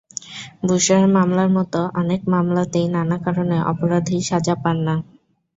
বুশরার মামলার মতো অনেক মামলাতেই নানা কারণে অপরাধী সাজা পান না।